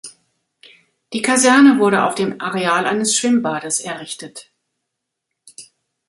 Die Kaserne wurde auf dem Areal eines Schwimmbades errichtet.